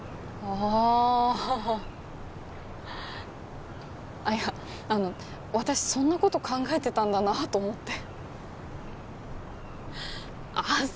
ああっいや私そんなこと考えてたんだなと思ってああ